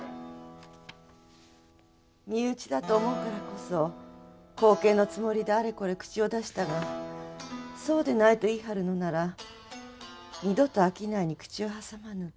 身内だと思うからこそ後見のつもりであれこれ口を出したがそうでないと言い張るのなら二度と商いに口を挟まぬ。